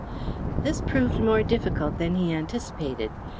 This proved more difficult than he anticipated.